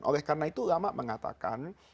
oleh karena itu lama mengatakan